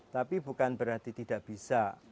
tapi bukan berarti tidak bisa